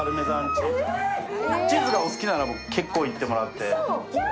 チーズがお好きなら結構いってもらって。